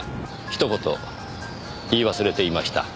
一言言い忘れていました。